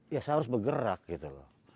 ya saya harus bergerak gitu loh